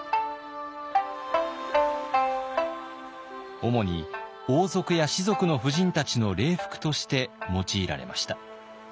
主に王族や士族の婦人たちの礼服として用いられました。